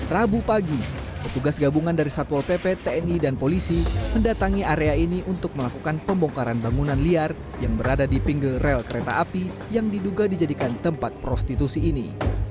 rabu pagi petugas gabungan dari satpol pp tni dan polisi mendatangi area ini untuk melakukan pembongkaran bangunan liar yang berada di pinggir rel kereta api yang diduga dijadikan tempat prostitusi ini